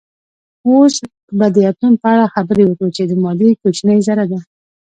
اوس به د اتوم په اړه خبرې وکړو چې د مادې کوچنۍ ذره ده